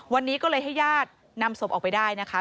วันนี้ก็เลยให้ญาตินำศพออกไปได้นะคะ